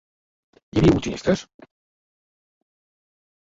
Hi havia hagut finestres?